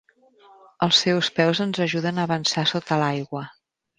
Els seus peus ens ajuden a avançar sota l'aigua.